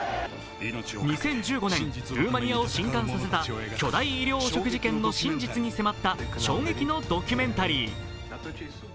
２０１５年、ルーマニアをしんかんさせた巨大医療汚職事件の真実に迫った衝撃のドキュメンタリー。